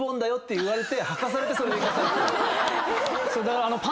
だから。